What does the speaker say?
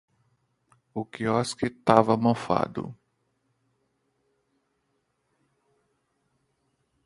O quiosque tava mofado